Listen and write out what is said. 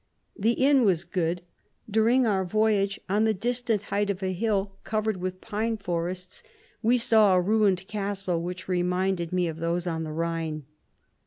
The inn was good. During our voyage, on the distant height of a hill, covered 117 with pine forests, we saw a ruined castle, which reminded me of those on the Rhine.